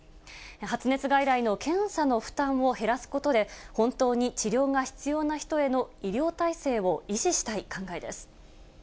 発熱外来の検査の負担を減らすことで、本当に治療が必要な人への医療体制を維持したい考えです。